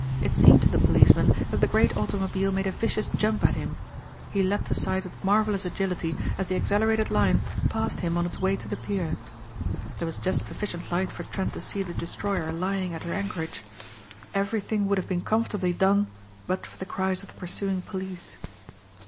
It seemed to the policeman that the great automobile made a vicious jump at him. He leapt aside with marvelous agility as the accelerated Lion passed him on its way to the pier. There was just sufficient light for Trent to see the destroyer lying at her anchorage. Everything would have been comfortably done but for the cries of the pursuing police.